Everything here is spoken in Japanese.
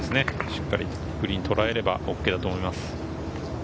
しっかりとグリーンをとらえればＯＫだと思います。